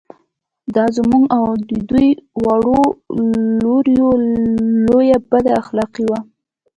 دا زموږ او د دوی دواړو لوریو لویه بد اخلاقي وه.